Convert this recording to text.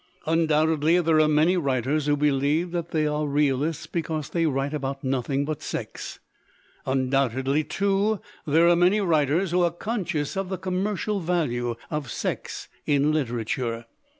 " Undoubtedly there are many writers who be lieve that they are realists because they write about nothing but sex. Undoubtedly, too, there are many writers who are conscious of the com mercial value of sex in literature.